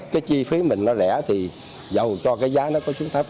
cái chi phí mình nó rẻ thì giàu cho cái giá nó có xuống thấp